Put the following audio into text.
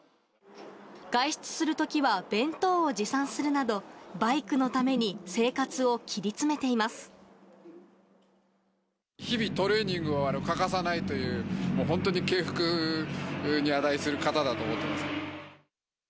外出するときは弁当を持参するなど、バイクのために生活を切り詰日々トレーニングを欠かさないという、本当に敬服に値する方だと思ってます。